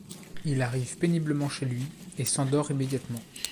Il arrive péniblement chez lui et s’endort immédiatement.